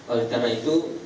oleh karena itu